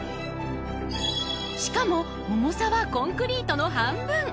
しかも重さはコンクリートの半分！